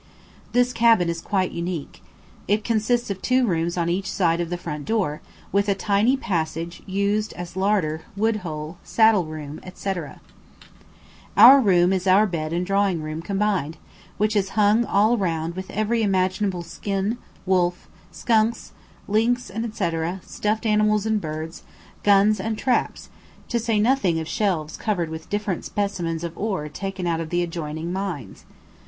This cabin is quite unique. It consists of two rooms on each side of the front door, with a tiny passage used as larder, wood hole, saddle room, &c. Our room is our bed and drawing room combined, which is hung all round with every imaginable skin, wolf, skunks, lynx, &c., stuffed animals and birds, guns and traps, to say nothing of shelves covered with different specimens of ore taken out of the adjoining mines.